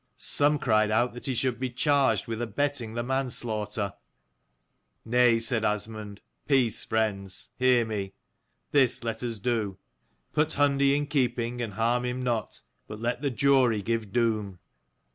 Some cried out that he should be charged with abetting the manslaughter. "Nay," said Asmund, "peace, friends. Hear me. This let us do. Put Hundi in keeping, and harm him not; but let the jury give doom."